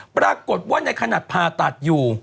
ปรากฏว่าในขณะผ่าตัดอยู่